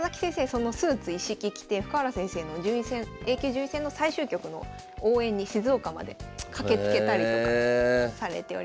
そのスーツ一式着て深浦先生のＡ級順位戦の最終局の応援に静岡まで駆けつけたりとかされております。